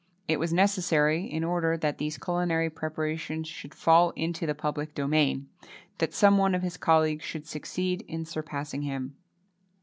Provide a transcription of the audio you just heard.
It was necessary, in order that these culinary preparations should fall into the public domain, that some one of his colleagues should succeed in surpassing him.